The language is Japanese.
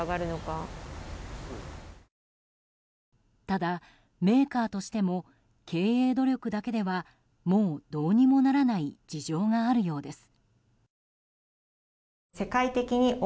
ただ、メーカーとしても経営努力だけではもうどうにもならない事情があるようです。